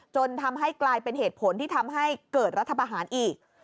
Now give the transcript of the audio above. จนทำให้กลายเป็นเหตุผลที่ทำให้เกิดรัฐประหารอีก